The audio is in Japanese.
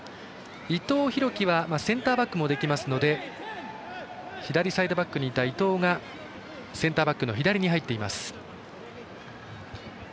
伊藤洋輝はセンターバックもできますので左サイドバックにいた伊藤がセンターバックの左に入っています。